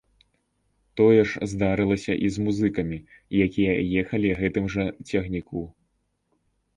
Тое ж здарылася і з музыкамі, якія ехалі гэтым жа цягніку.